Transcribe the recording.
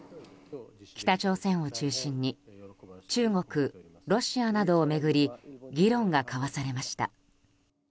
北朝鮮を中心に中国、ロシアなどを巡り議論が交わされました。